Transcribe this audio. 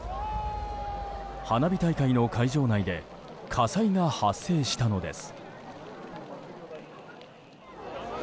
花火大会の会場内で火災が発生したのです。